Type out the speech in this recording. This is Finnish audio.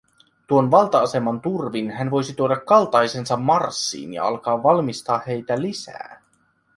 Tuon valta-aseman turvin hän voisi tuoda kaltaisensa Marssiin ja alkaa valmistaa heitä lisää.